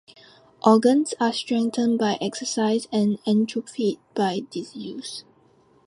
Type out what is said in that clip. Organs are strengthened by exercise and atrophied by disuse.